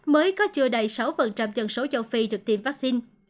mới có chưa đầy sáu dân số châu phi được tiêm vaccine